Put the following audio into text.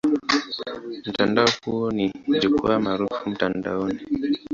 Mtandao huo ni jukwaa maarufu mtandaoni.